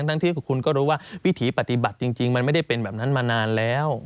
ทั้งที่คุณก็รู้ว่าวิถีปฏิบัติจริงมันไม่ได้เป็นแบบนั้นมานานแล้ว